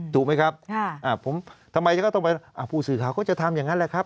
ถูกไหมครับผมทำไมจะต้องไปผู้สื่อข่าวก็จะทำอย่างนั้นแหละครับ